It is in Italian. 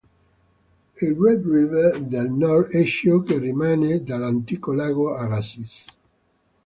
Il Red River del Nord è ciò che rimane dell'antico Lago Agassiz.